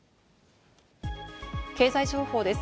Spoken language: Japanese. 経済情報です。